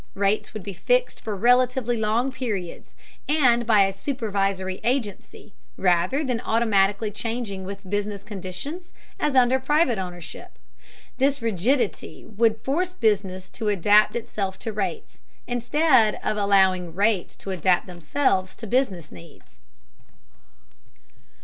Rates would be fixed for relatively long periods and by a supervisory agency, rather than automatically changing with business conditions as under private ownership. This rigidity would force business to adapt itself to rates, instead of allowing rates to adapt themselves to business needs.